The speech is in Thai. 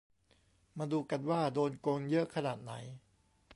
มาดูกันว่า โดนโกงเยอะขนาดไหน